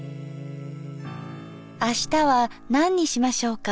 あしたは何にしましょうか。